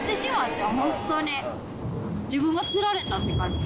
自分が釣られたって感じ。